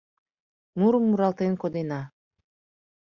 Мурым муралтен кодена.